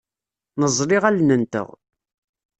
Neẓẓel iɣallen-nteɣ.